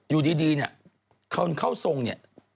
อยู่ดีเนี่ยเขาเข้าทรงเนี่ย